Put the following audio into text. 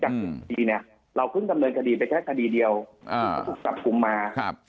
จากสิบสี่เนี้ยเราเพิ่งดำเนินคดีไปแค่คดีเดียวอ่าถูกจับคุมมาครับ